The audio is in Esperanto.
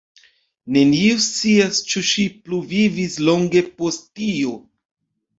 Neniu scias ĉu ŝi pluvivis longe post tio.